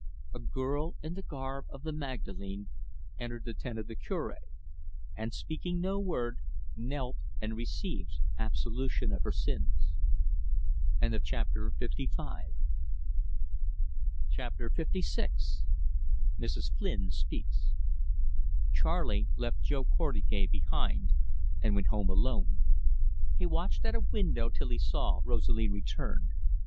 A girl, in the garb of the Magdalene, entered the tent of the Cure, and, speaking no word, knelt and received absolution of her sins. CHAPTER LVI. MRS. FLYNN SPEAKS CHARLEY left Jo Portugais behind, and went home alone. He watched at a window till he saw Rosalie return.